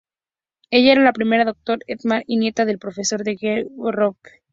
Ella era la prima del Dr. Eggman y nieta del profesor Gerald Robotnik.